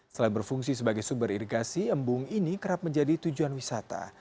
selain berfungsi sebagai sumber irigasi embung ini kerap menjadi tujuan wisata